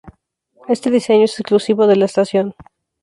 Este diseño es exclusivo de la estación.